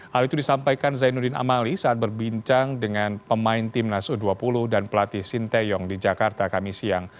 hal itu disampaikan zainuddin amali saat berbincang dengan pemain timnas u dua puluh dan pelatih sinteyong di jakarta kami siang